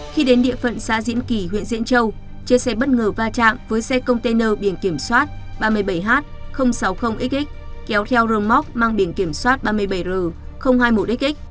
khi đến địa phận xã diễn kỷ huyện diễn châu chiếc xe bất ngờ va chạm với xe container biển kiểm soát ba mươi bảy h sáu mươi xx kéo theo rơm móc mang biển kiểm soát ba mươi bảy r hai mươi một xx